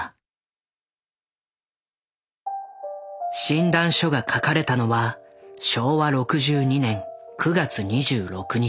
診断書が書かれたのは昭和６２年９月２６日。